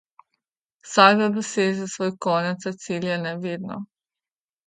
Vsakdo doseže svoj konec, a cilja ne vedno.